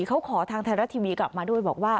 เขาขอทางไทยรัฐทีวีกลับมาด้วยบอกว่า